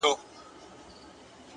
مه وايه دا چي اور وړي خوله كي ـ